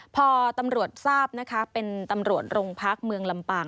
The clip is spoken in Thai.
พอตำรวจทราบนะคะเป็นตำรวจโรงพักเมืองลำปาง